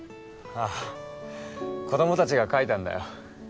ああ子供達が描いたんだよ